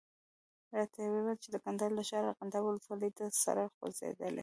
راته یې وویل چې د کندهار له ښاره ارغنداب ولسوالي ته سړک غځېدلی.